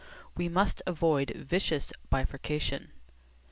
We must avoid vicious bifurcation.